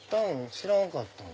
知らんかったな。